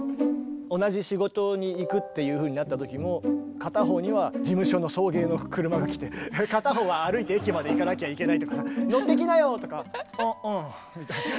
同じ仕事に行くっていうふうになった時も片方には事務所の送迎の車が来て片方は歩いて駅まで行かなきゃいけないとか「乗ってきなよ！」とか「あうん」みたい。